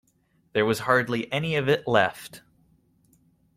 There was hardly any of it left.